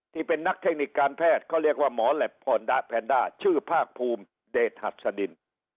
ที่เป็นนักเทคนิคการแพทย์เขาเรียกว่าหมอแหลปอนด้าแพนด้าชื่อภาคภูมิเดชหัดสดิน